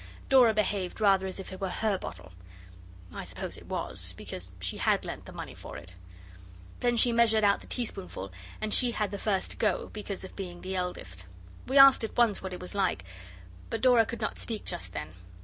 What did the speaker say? Dora behaved rather as if it were her bottle. I suppose it was, because she had lent the money for it. Then she measured out the teaspoonful, and she had first go, because of being the eldest. We asked at once what it was like, but Dora could not speak just then.